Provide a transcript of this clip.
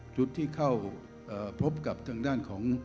จุดที่เข้าพบกับทางด้านของ